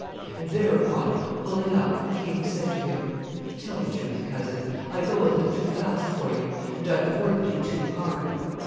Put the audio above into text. And thereupon pulling up, the king said to him, 'Tell the truth, cousin, I go a little too fast for you; and I have worked you too hard.